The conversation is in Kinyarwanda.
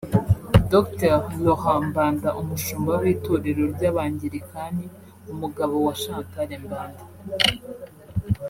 Dr Laurent Mbanda [Umushumba w’Itorero ry’Abangelikani] umugabo wa Chantal Mbanda